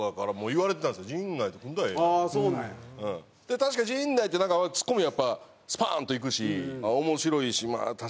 確かに陣内ってツッコミやっぱスパーンといくし面白いしま